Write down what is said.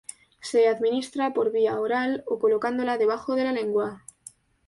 Se administra por vía oral o colocándola debajo de la lengua.